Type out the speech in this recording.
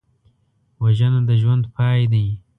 وژنه د ژوند پای دی